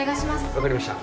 分かりました。